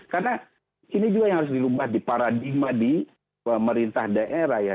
karena ini juga yang harus dilubah di paradigma di pemerintah daerah ya